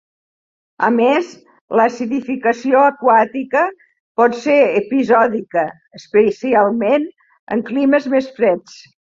A més, l'acidificació aquàtica pot ser episòdica, especialment en climes més freds.